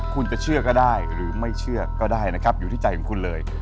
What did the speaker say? คุณจะเชื่อก็ได้หรือไม่เชื่อก็ได้นะครับอยู่ที่ใจของคุณเลย